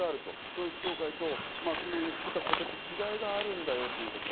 統一教会と昨日、言っていたことと違いがあるんだよということ。